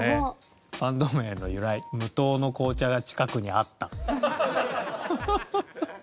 「バンド名の由来無糖の紅茶が近くにあった」